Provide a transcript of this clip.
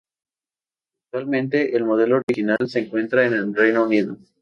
Actualmente, el modelo original se encuentra en el Reino Unido.